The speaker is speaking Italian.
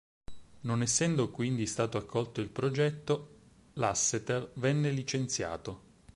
Non essendo quindi stato accolto il progetto, Lasseter venne licenziato.